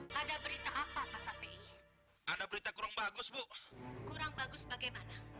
sampai jumpa di video selanjutnya